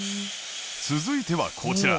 続いてはこちら